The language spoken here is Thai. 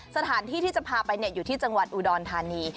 สถานที่ที่จะพาไปอยู่ที่จังหวัดอุดรธานี